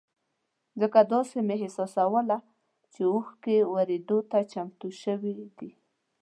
ځکه داسې مې احساسوله چې اوښکې ورېدو ته چمتو شوې دي.